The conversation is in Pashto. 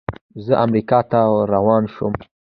زه امریکا ته روان شوم.